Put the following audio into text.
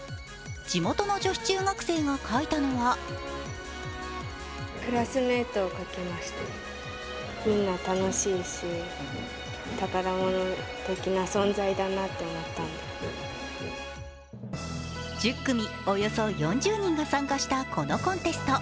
地元の女子中学生が描いたのは１０組およそ４０人が参加したこのコンテスト。